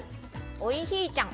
おいひぃちゃん。